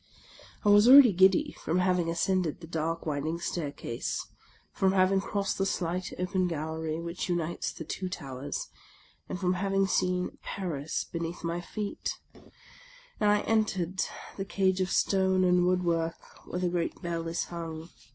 I was already giddy from having ascended the dark wind ing staircase, from having crossed the slight open gallery which unites the two towers, and from having seen Paris be neath my feet ; and I entered the cage of stone and woodwork where the great bell is hung.